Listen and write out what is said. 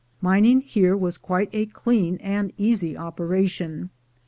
Mining here was quite a clean and easy operation.